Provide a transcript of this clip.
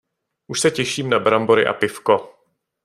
Už se těším na brambory a pivko.